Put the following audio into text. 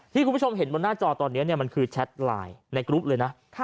คุณผู้ชมเห็นบนหน้าจอตอนนี้มันคือแชทไลน์ในกรุ๊ปเลยนะ